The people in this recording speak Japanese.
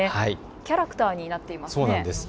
キャラクターになっていますね。